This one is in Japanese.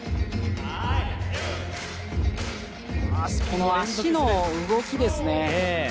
この、足の動きですね。